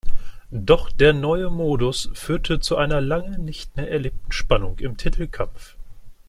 Doch der neue Modus führte zu einer lange nicht mehr erlebten Spannung im Titelkampf.